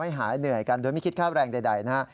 หายเหนื่อยกันโดยไม่คิดค่าแรงใดนะฮะ